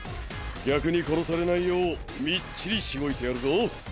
逆に殺されないようみっちりしごいてやるぞ。